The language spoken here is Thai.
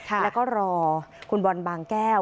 แล้วก็รอคุณบอลบางแก้ว